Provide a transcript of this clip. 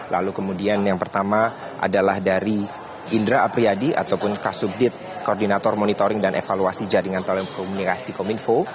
lalu kemudian yang pertama adalah dari indra apriyadi ataupun kasubdit koordinator monitoring dan evaluasi jaringan telekomunikasi kominfo